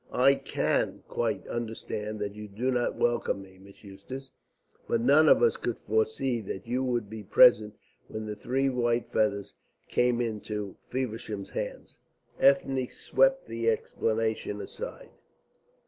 "I can quite understand that you do not welcome me, Miss Eustace, but none of us could foresee that you would be present when the three white feathers came into Feversham's hands." Ethne swept the explanation aside.